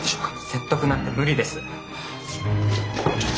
説得なんて無理です。